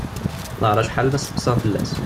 Wellah ar acḥal ma steqsaɣ fell-as.